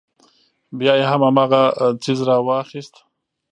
بيا يې هم هماغه څيز راواخيست.